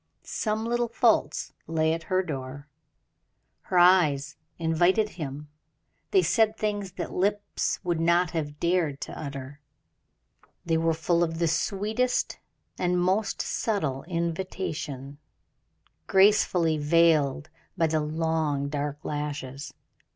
Some little faults lay at her door. Her eyes invited him; they said things that the lips would not have dared to utter; they were full of the sweetest and most subtle invitation, gracefully veiled by the long, dark lashes.